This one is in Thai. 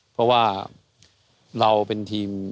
เพราะว่าเราเป็นทีม